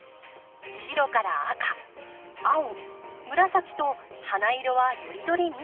白から赤青紫と花色はより取り見取り。